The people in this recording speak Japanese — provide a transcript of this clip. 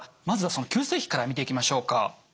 まずは急性期から見ていきましょうか。